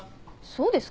そうですか？